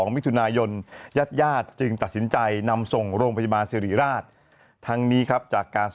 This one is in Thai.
ประดับประดับแล้วกัน